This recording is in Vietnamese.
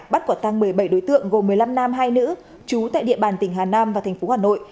bắt quả tang một mươi bảy đối tượng gồm một mươi năm nam hai nữ trú tại địa bàn tỉnh hà nam và thành phố hà nội